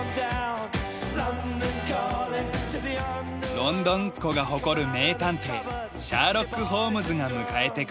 ロンドンっ子が誇る名探偵シャーロック・ホームズが迎えてくれた。